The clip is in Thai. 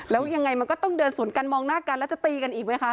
แล้วยังไงมันก็ต้องเดินสวนกันมองหน้ากันแล้วจะตีกันอีกไหมคะ